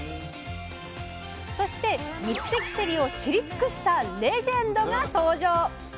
そして三関せりを知り尽くしたレジェンドが登場！